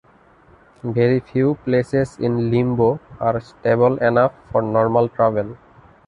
Very few places in Limbo are stable enough for normal travel.